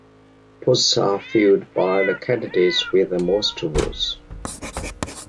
Posts are filled by the candidates with the most votes.